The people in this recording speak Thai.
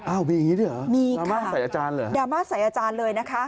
มีอย่างนี้ด้วยเหรอมีดราม่าใส่อาจารย์เหรอดราม่าใส่อาจารย์เลยนะคะ